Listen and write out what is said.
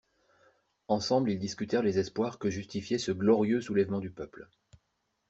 Ensemble ils discutèrent les espoirs que justifiait ce glorieux soulèvement du peuple.